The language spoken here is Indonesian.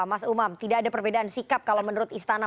mas umam tidak ada perbedaan sikap kalau menurut istana